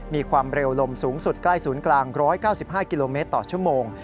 มีความเร็วลมสูงสุดใกล้ศูนย์กลาง๑๙๕กิโลเมตรต่อชั่วโมง